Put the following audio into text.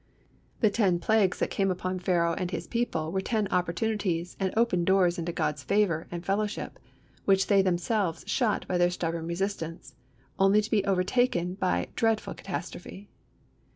The ten plagues that came upon Pharaoh and his people were ten opportunities and open doors into God's favour and fellowship, which they themselves shut by their stubborn resistance, only to be overtaken by dreadful catastrophe.